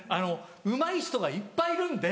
うまい人がいっぱいいるんで。